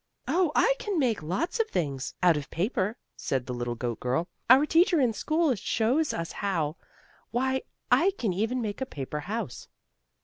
"Oh, I can make lots of things out of paper," said the little goat girl. "Our teacher in school shows us how. Why I can even make a paper house."